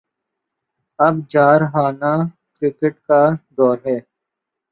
اب جارحانہ کرکٹ کا دور ہے۔